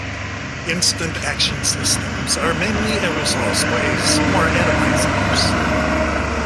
Instant action systems are mainly aerosol sprays, or atomizers.